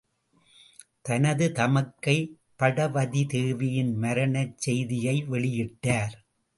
தனது தமக்கை படவதிதேவியின் மரணச் செய்தியை வெளியிட்டார்.